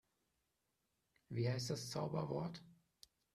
Wie heißt das Zauberwort?